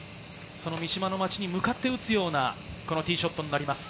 三島の町に向かって打つようなティーショットになります。